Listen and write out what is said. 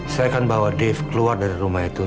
saya akan bawa dev keluar dari rumah itu